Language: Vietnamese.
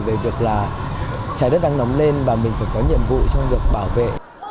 về việc là trái đất đang nóng lên và mình phải có nhiệm vụ trong việc bảo vệ